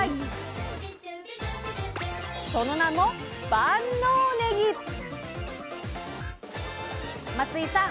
その名も松井さん